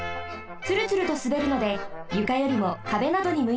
つるつるとすべるのでゆかよりもかべなどにむいています。